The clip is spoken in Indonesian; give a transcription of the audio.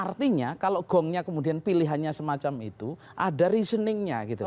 artinya kalau gongnya kemudian pilihannya semacam itu ada reasoningnya gitu